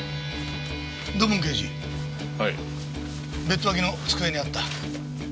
ベッド脇の机にあった。